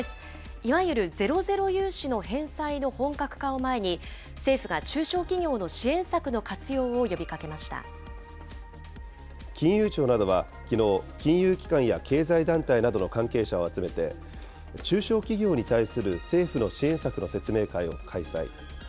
いわゆるゼロゼロ融資の返済の本格化を前に、政府が中小企業の支金融庁などはきのう、金融機関や経済団体などの関係者を集めて、中小企業に対する政府の支援策の説明会を開催。